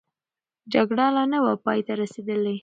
جګړه لا نه وه پای ته رسېدلې.